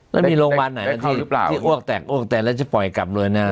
แล้วมีโรงพยาบาลไหนที่อ้วกแตกอ้วกแตกแล้วจะปล่อยกลับเลยนะ